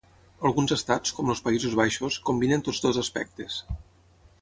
Alguns estats, com els Països Baixos, combinen tots dos aspectes.